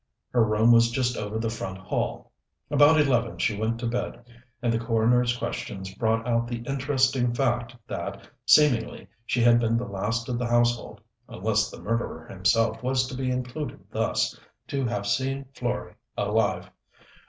Her room was just over the front hall. About eleven she went to bed, and the coroner's questions brought out the interesting fact that seemingly she had been the last of the household unless the murderer himself was to be included thus to have seen Florey alive.